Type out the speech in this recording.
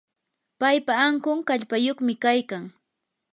paypa ankun kallpayuqmi kaykan.